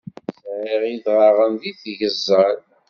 Sɛiɣ idɣaɣen deg tgeẓẓal.